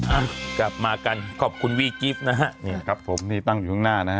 อ่ะกลับมากันขอบคุณวีกิฟต์นะฮะนี่ครับผมนี่ตั้งอยู่ข้างหน้านะฮะ